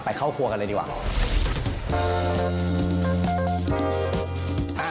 เข้าครัวกันเลยดีกว่า